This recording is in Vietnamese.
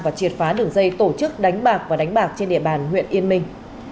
và triệt phá đường dây tổ chức đánh bạc và đánh bạc trên địa bàn huyện yên minh